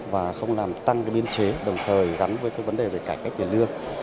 và không làm tăng biên chế đồng thời gắn với vấn đề về cải cách tiền lương